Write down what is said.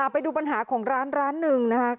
ไปดูปัญหาของร้านนึงนะครับ